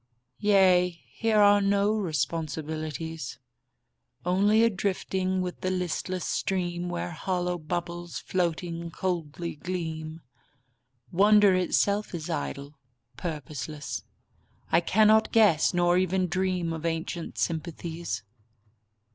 Yea, here are no responsibilities. Only a drifting with the listless stream Where hollow bubbles, floating, coldly gleam. Wonder itself is idle, purposeless; I cannot guess Nor even dream of ancient sympathies.